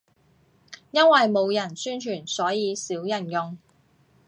因為冇人宣傳，所以少人用